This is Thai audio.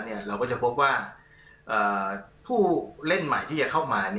เราก็จะพบว่าผู้เล่นใหม่ที่จะเข้ามา